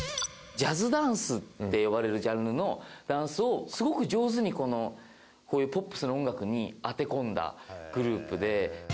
ジャズダンスって呼ばれるジャンルのダンスをすごく上手にこのこういうポップスの音楽に当て込んだグループで。